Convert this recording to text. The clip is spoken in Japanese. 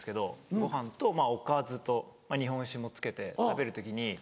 ご飯とおかずと日本酒も付けて食べる時に。